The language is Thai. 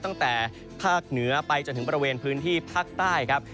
ตั้งแต่ภาคเหนือไปจนถึงบริเวณพื้นที่ภาคใต้ครับ